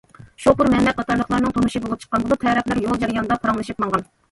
شوپۇر مەمەت قاتارلىقلارنىڭ تونۇشى بولۇپ چىققان بولۇپ، تەرەپلەر يول جەريانىدا پاراڭلىشىپ ماڭغان.